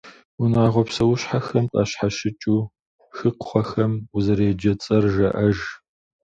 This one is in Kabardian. Унагъуэ псэущхьэхэм къащхьэщыкӏыу, хыкхъуэхэм узэреджэ цӏэр жаӏэж.